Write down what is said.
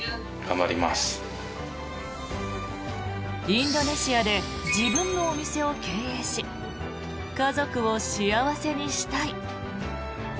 インドネシアで自分のお店を経営し家族を幸せにしたい。